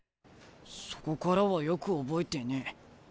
そこからはよく覚えてねえ。